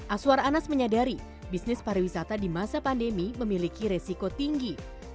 aswar anas menyadari bisnis pariwisata di masa pandemi memiliki resiko tinggi